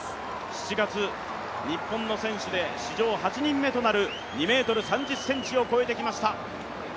７月、日本の選手で史上８人目となる２ｍ３０ｃｍを越えてきました。